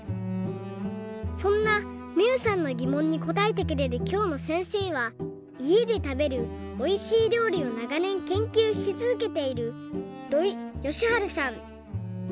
そんなみゆさんのぎもんにこたえてくれるきょうのせんせいはいえでたべるおいしいりょうりをながねんけんきゅうしつづけている土井善晴さん。